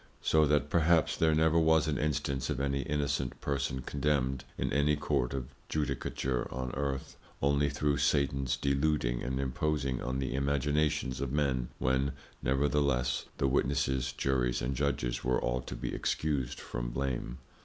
So that perhaps there never was an Instance of any innocent Person Condemned in any Court of Judicature on Earth, only through Satans deluding and imposing on the Imaginations of Men, when nevertheless, the Witnesses, Juries, and Judges, were all to be excused from blame.